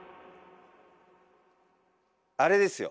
あれですよ。